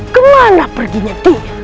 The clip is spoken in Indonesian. kemana perginya dia